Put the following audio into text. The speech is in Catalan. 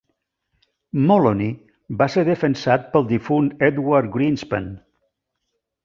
Molony va ser defensat pel difunt Edward Greenspan.